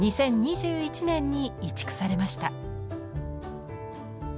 ２０２１年に移築されました。